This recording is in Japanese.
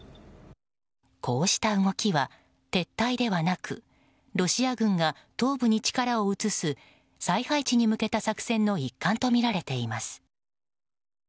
こうした動きは撤退ではなくロシア軍が東部に力を移す再配置に向けた作戦の一環とみられています。